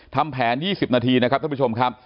ทำแผน๒๐นาทีนะครับท่านผู้ชมครับ